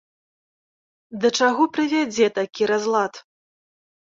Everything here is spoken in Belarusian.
Да чаго прывядзе такі разлад?